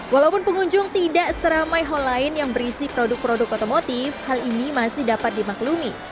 walaupun pengunjung tidak seramai hall lain yang berisi produk produk otomotif hal ini masih dapat dimaklumi